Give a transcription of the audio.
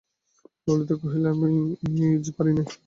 ললিতা কহিল, আমি যে পারি নে।